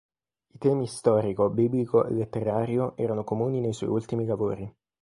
I temi storico, biblico e letterario erano comuni nei suoi ultimi lavori.